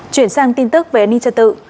chuyển sang tin tức về ninh chất tự